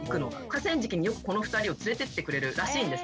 河川敷によくこの２人を連れてってくれるらしいんです。